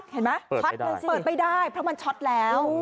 เห็นมั้ยเปิดไปได้เพราะมันช็อตแล้ว